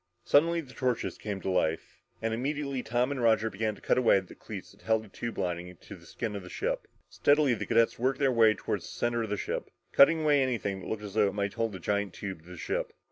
Suddenly the torches came to life. And immediately Tom and Roger began to cut away at the cleats that held the tube lining to the skin of the ship. Steadily, the cadets worked their way up toward the center of the ship, cutting anything that looked as though it might hold the giant tube to the ship.